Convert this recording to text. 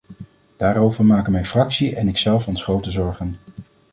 Daarover maken mijn fractie en ikzelf ons grote zorgen.